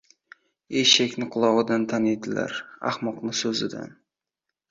• Eshakni qulog‘idan taniydilar, ahmoqni — so‘zidan.